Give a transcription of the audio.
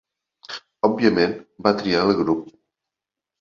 Òbviament, va triar el grup.